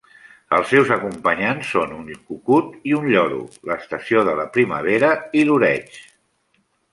Els seus acompanyants són un cucut i un lloro, l'estació de la primavera i l'oreig.